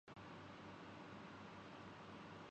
یہ پہلے سے قائم مقدمے کے حق میں ایک نئی دلیل ہے۔